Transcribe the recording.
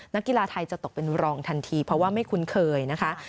นักกีฬาไทยจะตกเป็นรองทันทีเพราะว่าไม่คุ้นเคยนะคะ